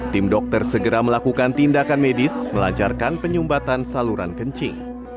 tim dokter segera melakukan tindakan medis melancarkan penyumbatan saluran kencing